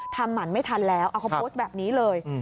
หมั่นไม่ทันแล้วเอาเขาโพสต์แบบนี้เลย